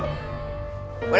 saya mau pergi